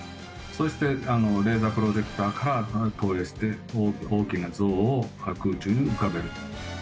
そしてレーザープロジェクターから投影して大きな像を空中に浮かべると。